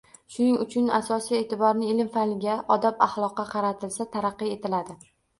Shuning uchun asosiy e’tiborni ilm-fanga, odob-axloqqa qaratilsa, taraqqiy etiladi.